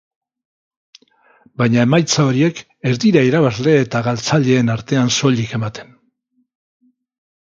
Baina emaitza horiek ez dira irabazle eta galtzaileen artean soilik ematen.